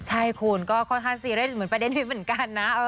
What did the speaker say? ใช่คุณก็ค่อนข้างซีเรียสเหมือนประเด็นนี้เหมือนกันนะ